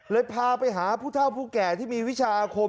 พาไปหาผู้เท่าผู้แก่ที่มีวิชาอาคม